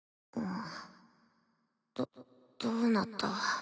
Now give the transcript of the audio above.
んどどうなった？